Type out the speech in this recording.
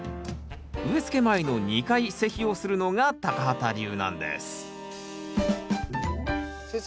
植えつけ前の２回施肥をするのが畑流なんです先生